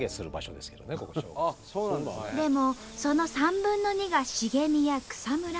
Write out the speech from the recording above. でもその３分の２が茂みや草むら。